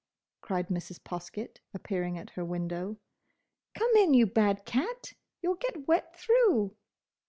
Sempronius!" cried Mrs. Poskett, appearing at her window. "Come in, you bad cat, you 'll get wet through!"